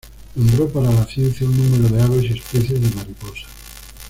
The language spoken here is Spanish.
Nombró para la ciencia un número de aves y especies de mariposa.